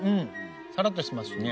さらっとしてますしね。